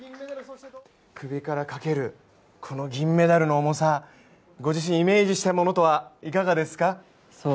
首からかけるこの銀メダルの重さ、ご自身、イメージしたものとは、いかがですか。